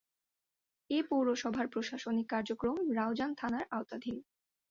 এ পৌরসভার প্রশাসনিক কার্যক্রম রাউজান থানার আওতাধীন।